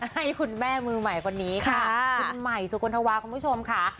ให้คุณแม่มือใหม่คนนี้ค่ะคุณใหม่สุกลธวาคุณผู้ชมค่ะ